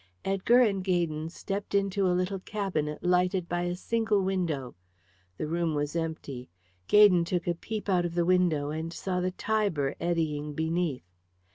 Edgar and Gaydon stepped into a little cabinet lighted by a single window. The room was empty. Gaydon took a peep out of the window and saw the Tiber eddying beneath.